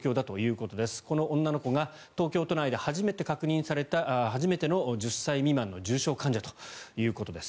この女の子が東京都内で初めて確認された、初めての１０歳未満の重症患者ということです。